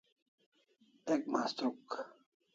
Ek mastruk